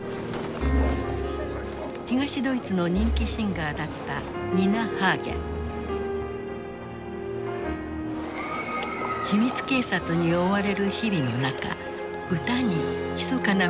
東ドイツの人気シンガーだった秘密警察に追われる日々の中歌にひそかなメッセージを込めた。